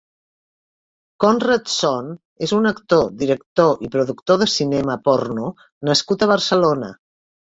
Conrad Son és un actor, director i productor de cinema porno nascut a Barcelona.